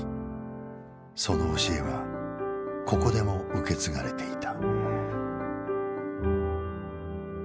その教えはここでも受け継がれていた。